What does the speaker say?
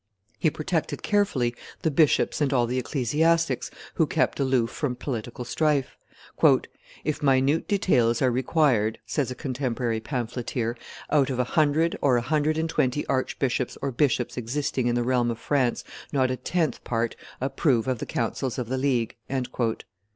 He protected carefully the bishops and all the ecclesiastics who kept aloof from political strife. "If minute details are required," says a contemporary pamphleteer, "out of a hundred or a hundred and twenty archbishops or bishops existing in the realm of France not a tenth part approve of the counsels of the League."